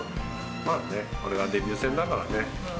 まあね、これがデビュー戦だからね。